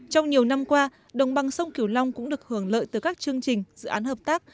trong nhiều năm qua đồng bằng sông kiều long cũng được hưởng lợi từ các chương trình dự án hợp tác